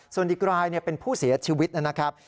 ส่วนอีกรายเป็นผู้เสียชีวิตนะครับ